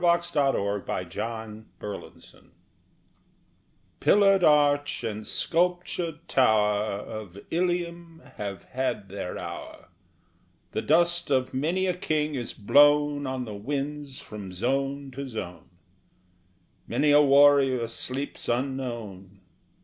"PILLARED ARCH AND SCULPTURED TOWER" Pillared arch and sculptured tower Of Ilium have had their hour; The dust of many a king is blown On the winds from zone to zone; Many a warrior sleeps unknown.